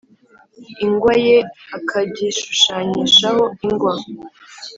Ingwa ye akagishushanyishaho ingwa